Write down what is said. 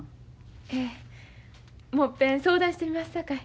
ええもう一遍相談してみますさかい。